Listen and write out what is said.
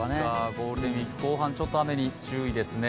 ゴールデンウイーク後半ちょっと、雨に注意ですね。